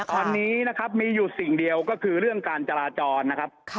ตอนนี้นะครับมีอยู่สิ่งเดียวก็คือเรื่องการจราจรนะครับ